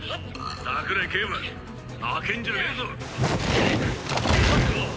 桜井景和負けんじゃねえぞ！